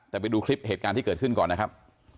แต่ไปดูคลิปเหตุการณ์ที่เกิดขึ้นก่อนนะครับ